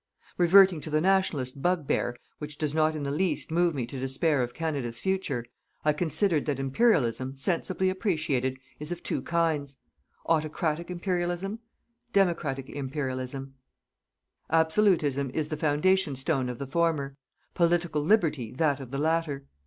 Reverting to the Nationalist bugbear, which does not in the least move me to despair of Canada's future, I consider that Imperialism, sensibly appreciated, is of two kinds: Autocratic Imperialism; Democratic Imperialism: Absolutism is the foundation stone of the former; Political Liberty that of the latter.